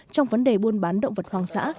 trong vấn đề buôn bán động vật hoang dã